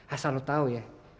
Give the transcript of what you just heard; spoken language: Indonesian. asal lo tau ya